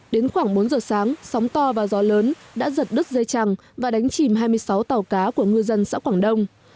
đến khoảng bốn giờ sáng sóng to và gió lớn đã giật đứt dây chẳng và đánh chìm hai mươi sáu tàu cá của ngư dân xã quảng đông